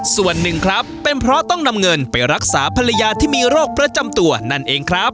ส่วนหนึ่งครับเป็นเพราะต้องนำเงินไปรักษาภรรยาที่มีโรคประจำตัวนั่นเองครับ